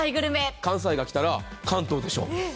関西がきたら関東でしょう。